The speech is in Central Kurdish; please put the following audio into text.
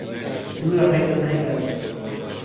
دووره رێگهم نایگاتێ